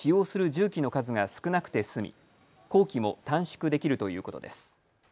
重機の数が少なくて済み工期も短縮できるということです。